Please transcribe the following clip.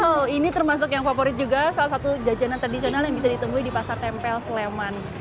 betul ini termasuk yang favorit juga salah satu jajanan tradisional yang bisa ditemui di pasar tempel sleman